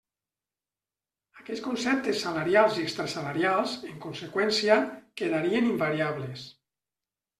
Aquests conceptes salarials i extrasalarials, en conseqüència, quedarien invariables.